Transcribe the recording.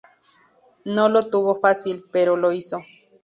No lo tuvo fácil, pero lo hizo.